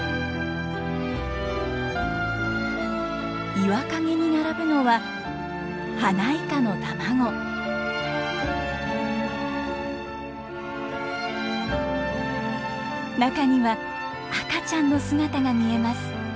岩陰に並ぶのは中には赤ちゃんの姿が見えます。